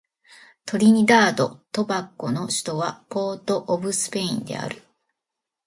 トリニダード・トバゴの首都はポートオブスペインである